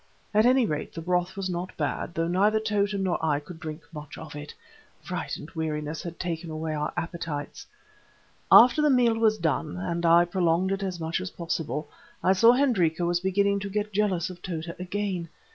At any rate the broth was not bad, though neither Tota nor I could drink much of it. Fright and weariness had taken away our appetites. "After the meal was done—and I prolonged it as much as possible—I saw Hendrika was beginning to get jealous of Tota again.